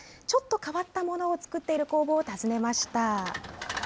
ちょっと変わったものを作っている工房を訪ねました。